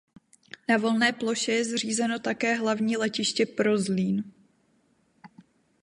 Na volné ploše je zřízeno také hlavní letiště pro Zlín.